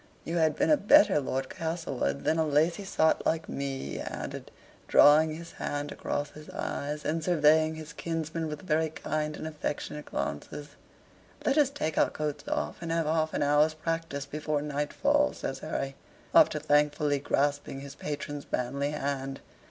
"You had been a better Lord Castlewood than a lazy sot like me," he added, drawing his hand across his eyes, and surveying his kinsman with very kind and affectionate glances. "Let us take our coats off and have half an hour's practice before nightfall," says Harry, after thankfully grasping his patron's manly hand.